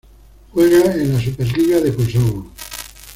Juega en la Superliga de Kosovo.